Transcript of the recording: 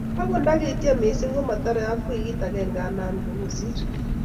Akot nda kitiem mising ,ko metare ak wikit akenge andan ko kosir